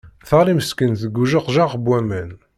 Teɣli meskint deg ujeqjaq n waman.